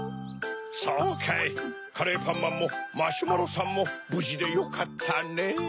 そうかいカレーパンマンもマシュマロさんもぶじでよかったねぇ。